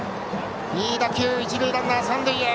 いい打球、一塁ランナーは三塁へ。